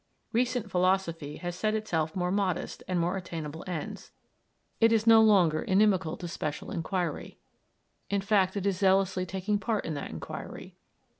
Recent philosophy has set itself more modest and more attainable ends; it is no longer inimical to special inquiry; in fact, it is zealously taking part in that inquiry.